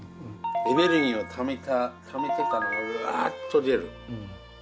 エネルギーをためてたのがうわっと出る。